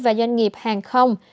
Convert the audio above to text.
và doanh nghiệp hàng không